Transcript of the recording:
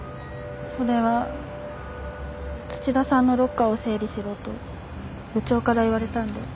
それは土田さんのロッカーを整理しろと部長から言われたので。